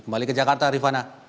kembali ke jakarta rifana